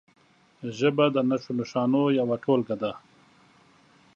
ژبه د نښو نښانو یوه ټولګه ده.